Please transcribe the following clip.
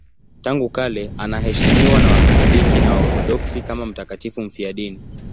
Tangu kale anaheshimiwa na Wakatoliki na Waorthodoksi kama mtakatifu mfiadini.